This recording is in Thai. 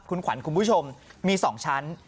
คุณขวัญคุณผู้ชมมี๒ชั้น